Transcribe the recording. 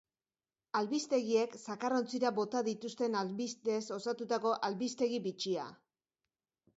Albistegiek zakarrontzira bota dituzten albisteez osatutako albistegi bitxia!